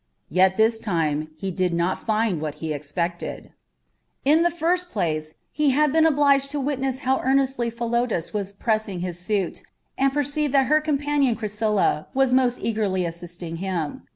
Yet this time he did not find what he expected. In the first place, he had been obliged to witness how earnestly Philotas was pressing his suit, and perceived that her companion Chrysilla was most eagerly assisting him.